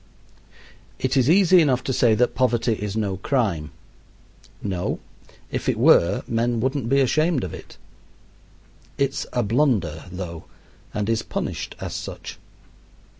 It is easy enough to say that poverty is no crime. No; if it were men wouldn't be ashamed of it. It's a blunder, though, and is punished as such.